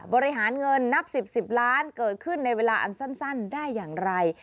บริหารเงินนับ๑๐๑๐ล้านเกิดขึ้นในเวลาอันสั้นได้อย่างไร